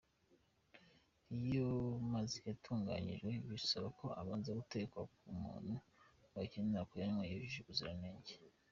Ayo mazi yatunganyijwe bisaba ko abanza gutekwa ku muntu wakenera kuyanywa yujuje ubuziranenge.